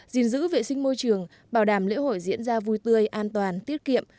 gìn giữ vệ sinh môi trường bảo đảm lễ hội diễn ra vui tươi an toàn tiết kiệm